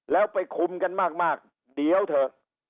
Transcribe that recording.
แล้วไปคุมกันมากเดี๋ยวเถอะ